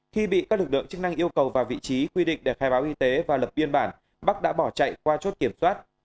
khi bị các lực lượng chức năng yêu cầu vào vị trí quy định để khai báo y tế và lập biên bản bắc đã bỏ chạy qua chốt kiểm soát